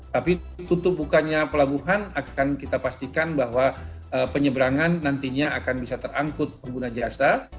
tapi tutup bukannya pelabuhan akan kita pastikan bahwa penyeberangan nantinya akan bisa terangkut pengguna jasa